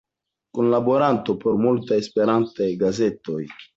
Kunlaboranto por multaj Esperantaj gazetoj.